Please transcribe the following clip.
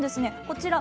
こちら